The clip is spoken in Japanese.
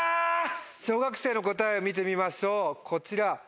小学生の答えを見てみましょうこちら。